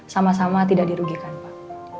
sama sama tidak dirugikan pak